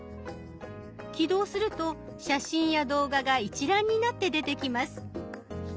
起動すると写真や動画が一覧になって出てきます。